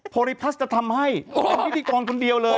โพลิพัสจะทำให้เป็นพิธีกรคนเดียวเลย